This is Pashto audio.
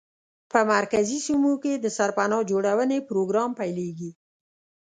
په مرکزي سیمو کې د سرپناه جوړونې پروګرام پیلېږي.